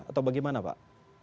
atau bagaimana pak